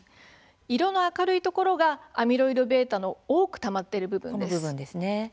色の明るいところがアミロイドβの多くたまっている部分です。